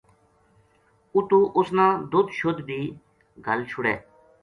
اُتو اُس نا دودھ شُدھ بی گھل چھُڑے